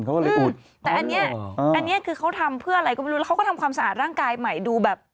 เขาก็เลยพูดแต่อันนี้อันเนี้ยคือเขาทำเพื่ออะไรก็ไม่รู้แล้วเขาก็ทำความสะอาดร่างกายใหม่ดูแบบ